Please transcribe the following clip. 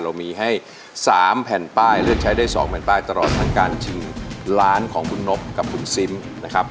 เรามีให้๓แผ่นป้ายเลือกใช้ได้๒แผ่นป้ายตลอดทั้งการชิงล้านของคุณนบกับคุณซิมนะครับ